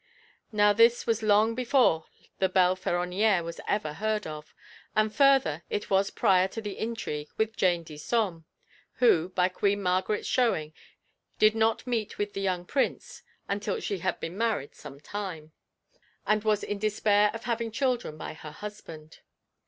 Now this was long before the belle Féronnière was ever heard of, and further it was prior to the intrigue with Jane Disome, who, by Queen Margaret's showing, did not meet with "the young prince" until she had been married some time and was in despair of having children by her husband.